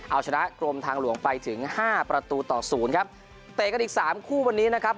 เอาชนะกรมทางหลวงไปถึงห้าประตูต่อศูนย์ครับเตะกันอีกสามคู่วันนี้นะครับ